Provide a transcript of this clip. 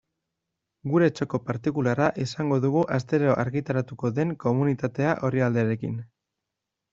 Gure txoko partikularra izango dugu astero argitaratuko den Komunitatea orrialdearekin.